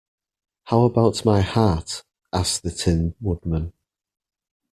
How about my heart? asked the Tin Woodman.